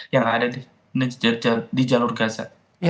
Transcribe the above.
yang ada di jalur gaza